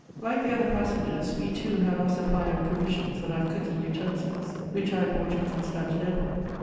"Like the other passengers, we too had our supply of provisions and our cooking utensils, which I had bought in Constantinople.